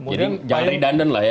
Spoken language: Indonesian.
jadi jangan redundant lah ya